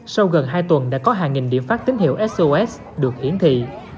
sau gần hai tuần đã có hàng nghìn điểm phát tín hiệu sos được hiển thị